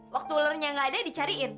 waktu learnya nggak ada dicariin